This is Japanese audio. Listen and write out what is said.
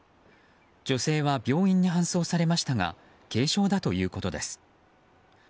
女性は病院に搬送されましたが軽傷だということです。